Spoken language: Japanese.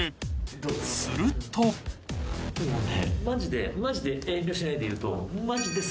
マジでマジで。